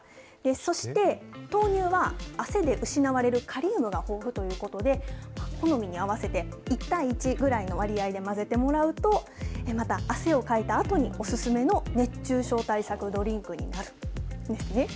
そして豆乳は汗で失われるカリウムが豊富ということで、好みに合わせて１対１ぐらいの割合で混ぜてもらうと、また汗をかいたあとにお薦めの熱中症対策ドリンクになるんですね。